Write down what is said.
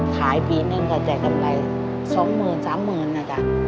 ถ่ายปีนึงก็จะกำไรสองหมื่นสามหมื่นน่ะจ๊ะ